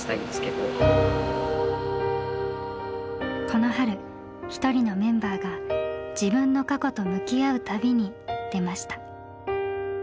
この春一人のメンバーが自分の過去と向き合う旅に出ました。